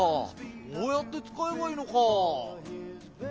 そうやってつかえばいいのか。